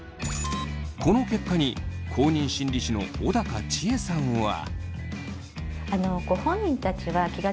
この結果に公認心理師の小高千枝さんは。